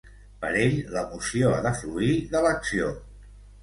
Per ell l'emoció ha de fluir de l'acció.